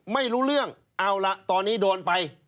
ไม่รู้เรื่องเอาละตอนนี้โดนไป